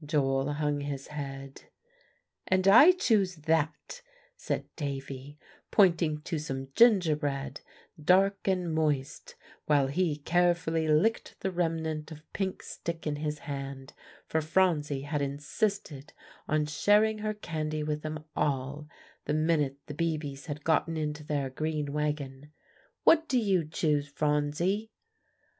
Joel hung his head. "And I choose that," said Davie, pointing to some gingerbread, dark and moist, while he carefully licked the remnant of pink stick in his hand, for Phronsie had insisted on sharing her candy with them all, the minute the Beebes had gotten into their green wagon, "what do you choose, Phronsie?"